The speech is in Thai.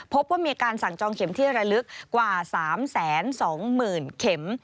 พบว่ามีการสั่งจองเข็มที่ระลึกกว่า๓๒๐๐๐เข็ม